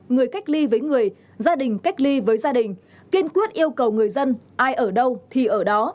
người cách ly với người gia đình cách ly với gia đình kiên quyết yêu cầu người dân ai ở đâu thì ở đó